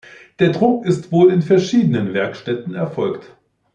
Der Druck ist wohl in verschiedenen Werkstätten erfolgt.